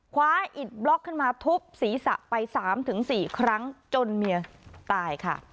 คว้าอิดบล็อกขึ้นมาทุบศีรษะไป๓๔ครั้งจนเมียตายค่ะ